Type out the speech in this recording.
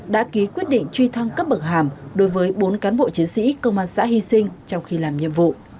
đã ký quyết định truy thăng cấp bậc hàm đối với bốn cán bộ chiến sĩ công an xã hy sinh trong khi làm nhiệm vụ